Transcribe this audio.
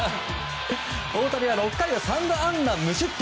大谷は６回を３安打無失点。